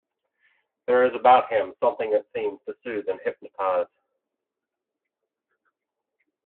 There is about him something that seems to soothe and hypnotize.